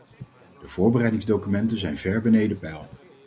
De voorbereidingsdocumenten zijn ver beneden peil.